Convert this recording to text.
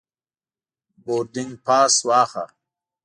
بوردینګ پاس واخله.